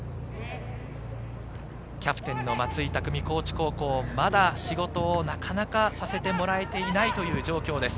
キャプテン・松井匠、高知高校、まだ仕事をなかなかさせてもらえていない状況です。